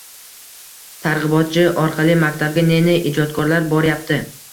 Targ‘ibotchi orqali maktabga ne-ne ijodkorlar boryapti.